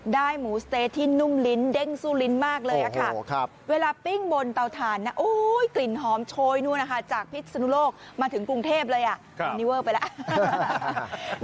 ได้หมูสเต๊ะที่นุ่มลิ้นเด้งซู่ลิ้นมากเลยเวลาปิ้งบนเตาถ่านกลิ่นหอมโชยจากพิษนุโลกมาถึงพรุ่งเทพเลยอันนี้เวอร์ไปแล้ว